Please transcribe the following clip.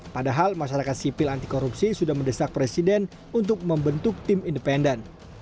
padahal masyarakat sipil anti korupsi sudah mendesak presiden untuk membentuk tim independen